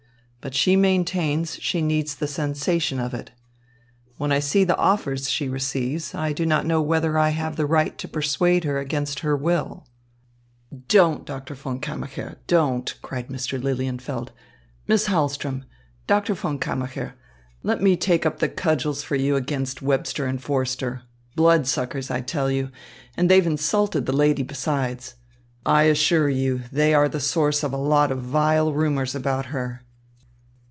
But she maintains she needs the sensation of it. And when I see the offers she receives, I do not know whether I have the right to persuade her against her will." "Don't, Doctor von Kammacher, don't!" cried Mr. Lilienfeld. "Miss Hahlström, Doctor von Kammacher, let me take up the cudgels for you against Webster and Forster bloodsuckers, I tell you and they've insulted the lady, besides. I assure you, they are the source of a lot of vile rumours about her."